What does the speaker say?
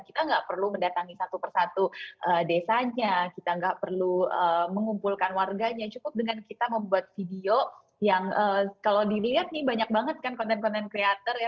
kita nggak perlu mendatangi satu persatu desanya kita nggak perlu mengumpulkan warganya cukup dengan kita membuat video yang kalau dilihat nih banyak banget kan konten konten kreator ya